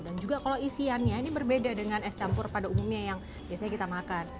dan juga kalau isiannya ini berbeda dengan es campur pada umumnya yang biasanya kita makan